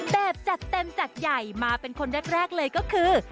แบบจัดเต็มจัดใหญ่มาเป็นคนแรกเลยก็คือ